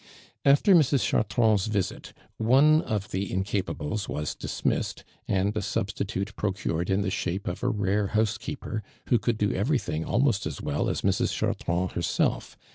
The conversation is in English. After Mrs. Chartrand's visit, one of the incapables was dismissed, and a substitute procured in tlio shape of a rare housekeeper, who could do everything almost as well its Mrs. t'hartrand herself.